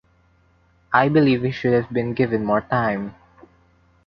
I believe he should have been given more time.